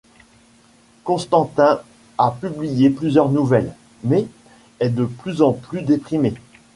Konstantin a publié plusieurs nouvelles, mais est de plus en plus déprimé.